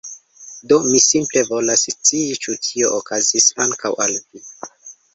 Do mi simple volas scii ĉu tio okazis ankaŭ al vi.